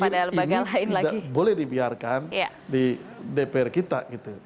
nah cara berpikir ini tidak boleh dibiarkan di dpr kita gitu